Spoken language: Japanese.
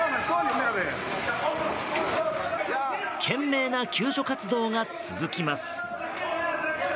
懸命な救出活動が続きます。